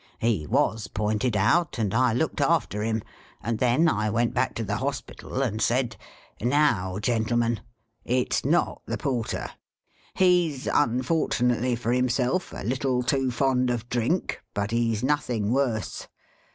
" He was pointed out, and I looked after him, and then I went back to the Hospital, and said, ' Now, gentlemen, it 's not the porter. He 's, unfortunately for himself, a little too fond of drink, but he 's nothing worse.